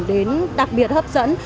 đến đặc biệt hấp dẫn